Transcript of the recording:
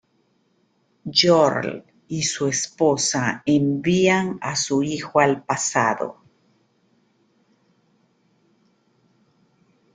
Jor-L y su esposa envían a su hijo al pasado.